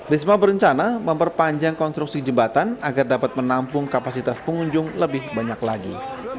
risma berencana memperpanjang konstruksi jembatan agar dapat menampung kapasitas pengunjung lebih banyak lagi